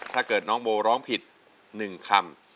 ถ้าเกิดน้องโบร้องผิด๑คำ